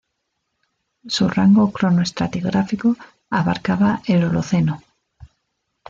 Su rango cronoestratigráfico abarcaba el Holoceno.